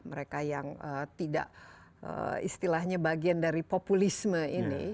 mereka yang tidak istilahnya bagian dari populisme ini